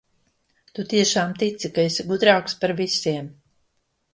Tu tiešām tici, ka esi gudrāks par visiem.